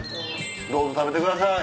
どうぞ食べてください。